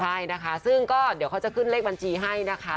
ใช่นะคะซึ่งก็เดี๋ยวเขาจะขึ้นเลขบัญชีให้นะคะ